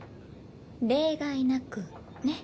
例外なくね。